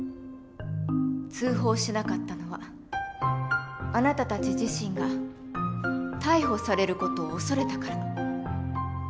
通報しなかったのはあなたたち自身が逮捕される事を恐れたから。